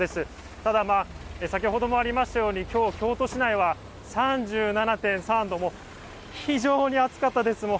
ただ先ほどもありましたように、きょう、京都市内は３７．３度、非常に暑かったです。